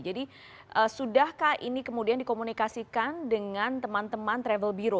jadi sudahkah ini kemudian dikomunikasikan dengan teman teman travel bureau